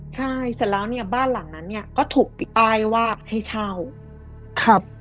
ใช่เสร็จแล้วเนี่ยบ้านหลังนั้นเนี่ยก็ถูกติดป้ายว่าให้เช่าครับ